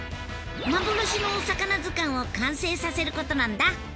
幻のお魚図鑑を完成させることなんだ！